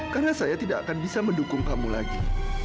karena saya tidak akan bisa mendukung kamu lagi